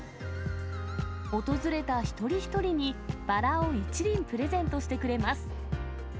訪れた一人一人に、バラを１輪プレゼントしてくれます。